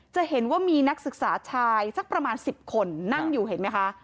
จะเห็นว่ามีนักศึกษาชายสักประมาณ๑๐คนนั่งอยู่เห็นไหมคะ